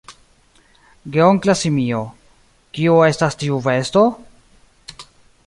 Geonkla simio: "Kio estas tiu besto?"